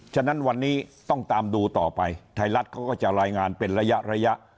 ฉะนั้นวันนี้ต้องตามดูต่อไปไทยรัฐเขาก็จะรายงานเป็นระยะระยะ